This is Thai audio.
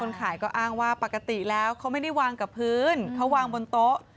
ขายก็อ้างว่าปกติแล้วเขาไม่ได้วางกับพื้นเขาวางบนโต๊ะ